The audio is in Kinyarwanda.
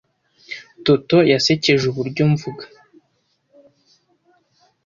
Toto yasekeje uburyo mvuga.